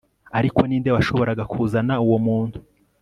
ariko ninde washoboraga kuzana uwo muntu